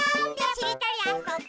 「しりとりあそび」